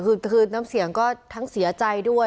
คือน้ำเสียงก็ทั้งเสียใจด้วย